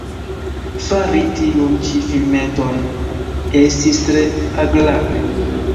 Fari tiun ĉi filmeton estis tre agrable.